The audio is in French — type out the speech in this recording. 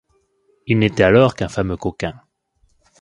Il n’était alors qu’un fameux coquin.